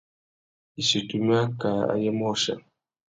Issutu i mú akā ayê môchia.